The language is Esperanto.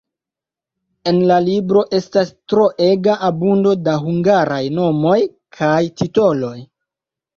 En la libro estas troega abundo da hungaraj nomoj kaj titoloj.